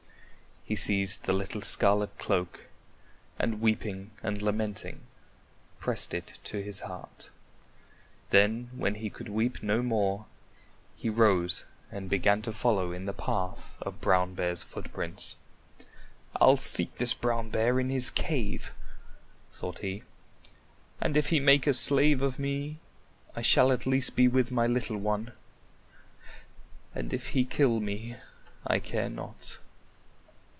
He seized the little scarlet cloak, and weeping and lamenting pressed it to his heart. Then when he could weep no more, he rose and began to follow in the path of Brown Bear's footprints. "I'll seek this Brown Bear in his cave," thought he, "and if he make a slave of me, I shall at least be with my little one, and if he kill me, I care not."